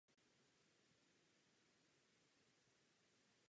Byl třikrát nominován na národní cenu za bestseller.